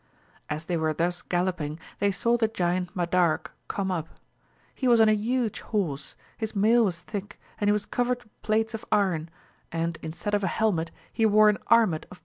As they were thus gallopping they saw the giant Madarque come up. He was on a huge horse ; his mail was thick, and he was covered with plates of iron, and instead of a helmet he wore an armet of 164 AMADIS OF GAUL.